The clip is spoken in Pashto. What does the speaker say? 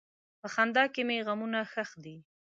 په خندا کې مې غمونه ښخ دي.